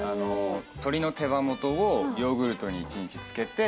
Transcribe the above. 鶏の手羽元をヨーグルトに一日漬けて。